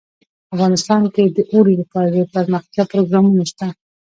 افغانستان کې د اوړي لپاره دپرمختیا پروګرامونه شته.